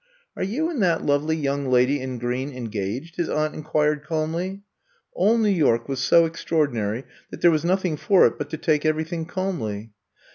^' Are you and that lovely young lady in green engaged?" his aunt inquired cahnly. All New York was so extraordinary that there was nothing for it but to take every thing calmly.